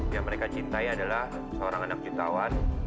yang mereka cintai adalah seorang enam jutaan